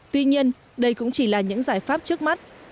tuy nhiên đây cũng chỉ là những giải pháp trước mắt